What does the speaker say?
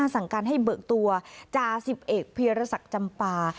สั่งการให้เบิกตัวจาสิบเอกเพียรศักดิ์จำปา